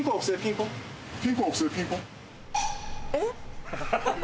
えっ？